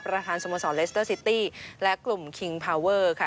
ประธานสมสรรคเลสเตอร์ซิตี้และกลุ่มคิงพาเวอร์ค่ะ